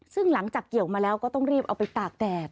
ซึ่งหลังจากเกี่ยวมาแล้วก็ต้องรีบเอาไปตากแดด